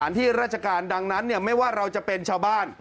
ที่ราชการดังนั้นไม่ว่าเราจะเป็นชาวบ้าน